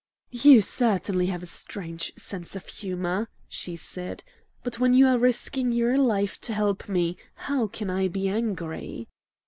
"You certainly have a strange sense of humor," she said, "but when you are risking your life to help me, how can I be angry?"